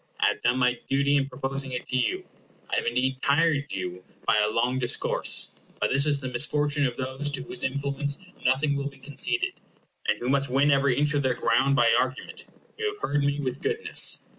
I have done my duty in proposing it to you. I have indeed tired you by a long discourse; but this is the misfortune of those to whose influence nothing will be conceded, and who must win every inch of their ground by argument. You have heard me with goodness.